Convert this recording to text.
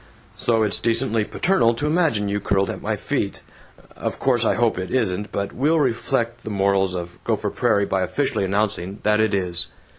So it's decently paternal to imagine you curled at my feet. ... Of course I hope it isn't, but we'll reflect the morals of Gopher Prairie by officially announcing that it is!